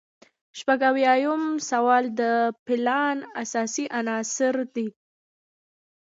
شپږ اویایم سوال د پلان اساسي عناصر دي.